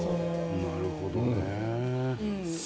なるほどね。